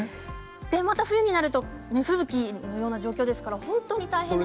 冬になると吹雪のような状況ですから本当に大変なんです。